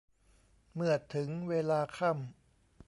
เมื่อถึงเวลาค่ำ